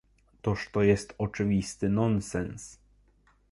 Toż to jest oczywisty nonsens